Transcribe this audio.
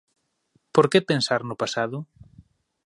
Por que pensar no pasado?